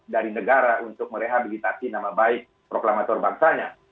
dari negara untuk merehabilitasi nama baik proklamator bangsanya